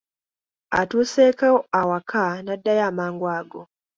Atuuseeko awaka n’addayo amangu ago.